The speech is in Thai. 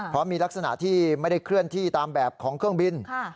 เพราะมีลักษณะที่ไม่ได้เคลื่อนที่ตามแบบของเครื่องบิน